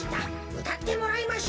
うたってもらいましょう。